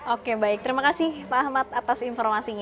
oke baik terima kasih pak ahmad atas informasinya